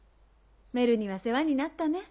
メルには世話になったね。